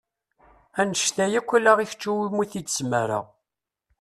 Annect-a akk ala i kečč iwumi i t-id-smareɣ.